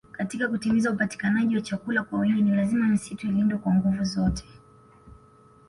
Katika kutimiza upatikanaji wa chakula kwa wingi ni lazima misitu ilindwe kwa nguvu zote